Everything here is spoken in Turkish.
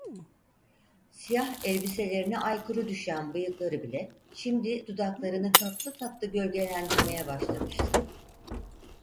Siyah elbiselerine aykırı düşen bıyıkları bile, şimdi dudaklarını tatlı tatlı gölgelendirmeye başlamıştı.